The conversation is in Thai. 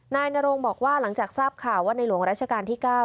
นายนโรงบอกว่าหลังจากทราบข่าวว่าในหลวงราชการที่๙